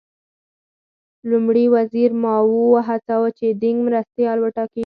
لومړي وزیر ماوو وهڅاوه چې دینګ مرستیال وټاکي.